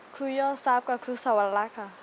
ครูย่อซาบกับครูสวรรค์ค่ะ